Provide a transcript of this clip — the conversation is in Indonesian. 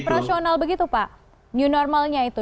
operasional begitu pak new normalnya itu